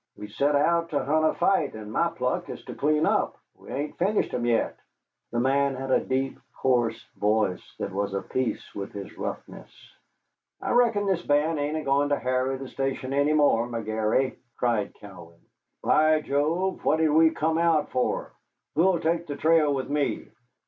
"We set out to hunt a fight, and my pluck is to clean up. We ain't finished 'em yet." The man had a deep, coarse voice that was a piece with his roughness. "I reckon this band ain't a goin' to harry the station any more, McGary," cried Cowan. "By Job, what did we come out for? Who'll take the trail with me?"